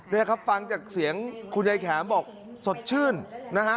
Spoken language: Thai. นี่ครับฟังจากเสียงคุณยายแข็มบอกสดชื่นนะฮะ